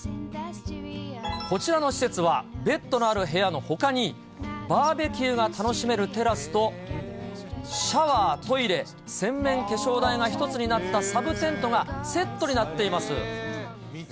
こちらの施設は、ベッドのある部屋のほかに、バーベキューが楽しめるテラスと、シャワー、トイレ、洗面化粧台が１つになったサブテントがセットになっています。